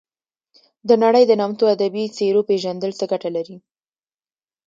د نړۍ د نامتو ادبي څیرو پېژندل څه ګټه لري.